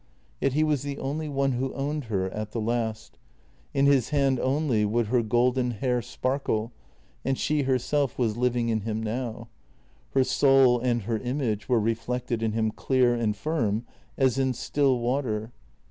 Yet he was the only one who owned her at the last; in his hand only would her golden hair sparkle, and she herself was living in him now; her soul and her image were reflected in him clear and firm as in still water.